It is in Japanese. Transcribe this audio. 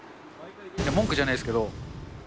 文句じゃないですけど。